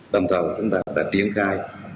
đồng thời chúng ta đã triển khai